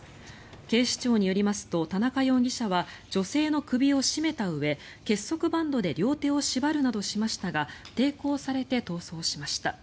警視庁によりますと田中容疑者は女性の首を絞めたうえ結束バンドで両手を縛るなどしましたが抵抗されて逃走しました。